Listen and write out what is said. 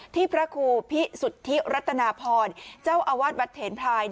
พระครูพิสุทธิรัตนาพรเจ้าอาวาสวัดเถนพลาย